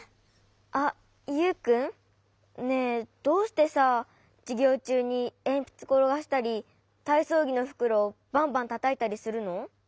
あっユウくん？ねえどうしてさじゅぎょうちゅうにえんぴつころがしたりたいそうぎのふくろバンバンたたいたりするの？